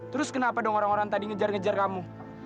terus kenapa dong orang orang tadi ngejar ngejar kamu